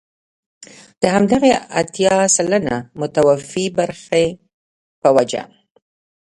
د همدغې اتيا سلنه متوفي برخې په وجه.